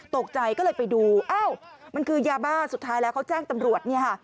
ตกใจก็เลยไปดูการต่อสู้เอ้ามันคือยาบ้าสุดท้ายแล้วว่าเค้าแจ้งตำรวจเนี่ย